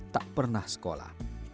tak pernah sekolah